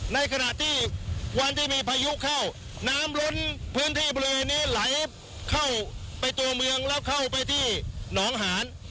ในขณะที่วันที่มีพายุเข้าน้ำล้นพื้นที่บริเวณนี้ไหลเข้าไปตัวเมืองแล้วเข้าไปที่หนองหาน